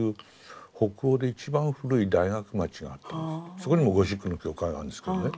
そこにもゴシックの教会があるんですけどね。